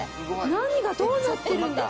何がどうなってるんだ？